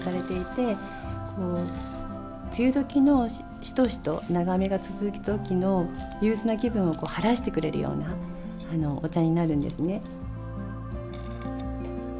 こう梅雨時のしとしと長雨が続く時の憂鬱な気分を晴らしてくれるようなお茶になるんですね。